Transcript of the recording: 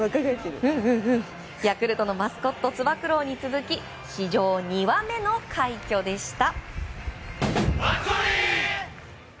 ヤクルトのマスコットつば九郎に続き史上２羽目の快挙でした。